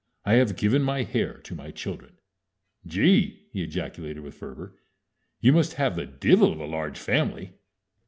I have given my hair to my children." "Gee!" he ejaculated with fervor. "_You must have the divvle of a large family!